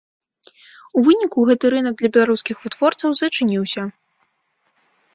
У выніку гэты рынак для беларускіх вытворцаў зачыніўся.